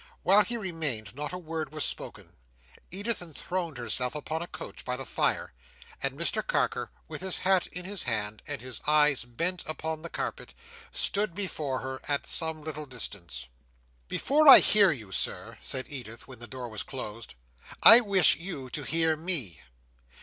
While he remained, not a word was spoken. Edith enthroned herself upon a couch by the fire; and Mr Carker, with his hat in his hand and his eyes bent upon the carpet, stood before her, at some little distance. "Before I hear you, Sir," said Edith, when the door was closed, "I wish you to hear me."